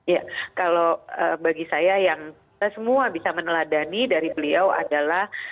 ya kalau bagi saya yang kita semua bisa meneladani dari beliau adalah